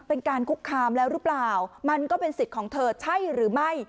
เป็นการคุกคามแล้วหรือเปล่ามันก็เป็นสิทธิ์ของเธอใช่หรือไม่